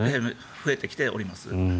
増えてきております。